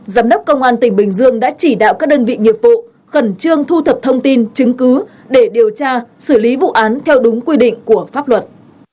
giám đốc công an tỉnh bình dương đã chỉ đạo các đơn vị nghiệp vụ khẩn trương thu thập thông tin chứng cứ để điều tra xử lý vụ án theo đúng quy định của pháp luật